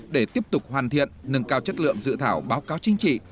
để tiếp tục hoàn thiện nâng cao chất lượng dự thảo báo cáo chính trị